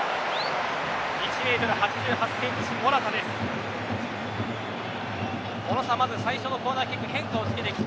１ｍ８８ｃｍ、モラタでした。